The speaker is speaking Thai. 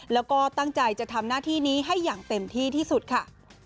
แล้วก็ตั้งใจจะทำหน้าที่นี้ให้อย่างเต็มที่ที่สุดค่ะ